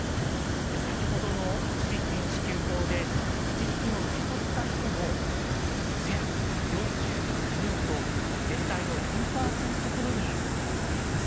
先ほどの一時金支給法で一時金を受け取った人も１，０４９人と全体の４％ほどにとどまっています。